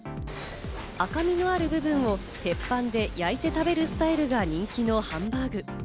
赤みのある部分を鉄板で焼いて食べるスタイルが人気のハンバーグ。